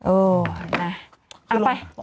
เอ่อน่ะเอาลงไป